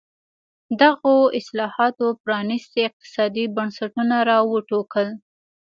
دغو اصلاحاتو پرانېستي اقتصادي بنسټونه را وټوکول.